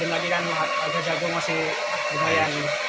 dan lagi kan harga jagung masih bergaya